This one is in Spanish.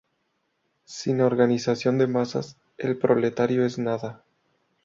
Sin organización de masas, el proletario es nada.